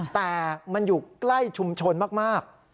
แต่มันอยู่ใกล้ชุมชนมาก